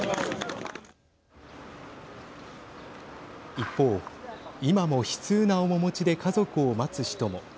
一方、今も悲痛な面持ちで家族を待つ人も。